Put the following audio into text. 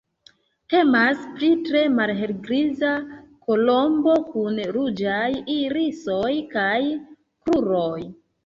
Temas pri tre malhelgriza kolombo kun ruĝaj irisoj kaj kruroj.